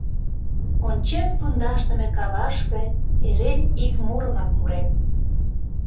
Ончен пундашдыме кавашке, Эре ик мурымак мурем.